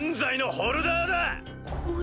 ホルダー？